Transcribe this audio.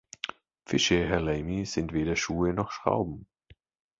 Fische, Herr Lamy, sind weder Schuhe noch Schrauben.